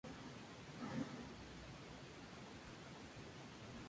Puyi se refugió en Tianjin.